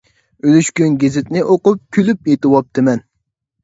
ئۈلۈشكۈن گېزىتنى ئوقۇپ كۈلۈپ يېتىۋاپتىمەن.